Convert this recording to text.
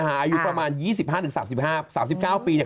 อายุประมาณ๒๕๓๕ปี๓๙ปี